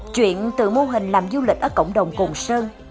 chuyện từ mô hình làm du lịch ở cộng đồng cồn sơn